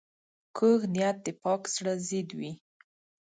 کوږ نیت د پاک زړه ضد وي